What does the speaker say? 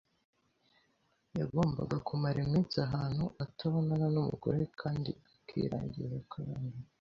yagomaga kumara iminsi ahantu atanana n’umugore kandi akiragiza akuramere